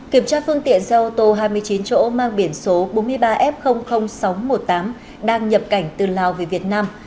kiểm tra phương tiện xe ô tô hai mươi chín chỗ mang biển số bốn mươi ba f sáu trăm một mươi tám đang nhập cảnh từ lào về việt nam